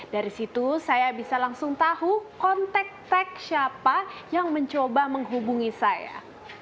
dari situ saya bisa langsung tahu kontak tek siapa yang mencoba menghubungi saya